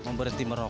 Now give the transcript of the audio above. mau berhenti merokok